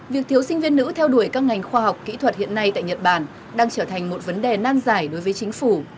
việc thiếu sinh viên nữ theo đuổi các ngành khoa học kỹ thuật hiện nay tại nhật bản đang trở thành một vấn đề nan giải đối với chính phủ